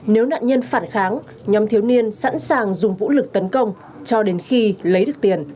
nếu nạn nhân phản kháng nhóm thiếu niên sẵn sàng dùng vũ lực tấn công cho đến khi lấy được tiền